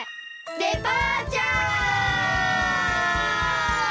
デパーチャー！